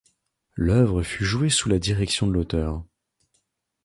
L'œuvre fut jouée sous la direction de l'auteur.